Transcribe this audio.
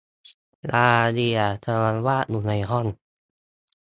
ดาเลียกำลังวาดอยู่ในห้อง